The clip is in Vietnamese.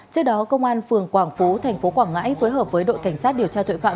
trước đó công an phường quảng phú tp quảng ngãi phối hợp với đội cảnh sát điều tra tội phạm